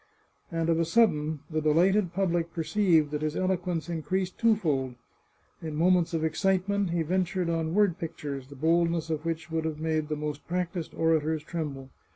And of a sudden the delighted public perceived that his eloquence increased twofold. In moments of excitement he ventured on word pictures, the boldness of which would have made the most practised orators tremble.